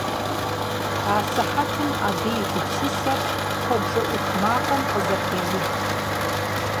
Асыхьэтым абы и гупсысэр куэбжэ Iух макъым къызэпеуд.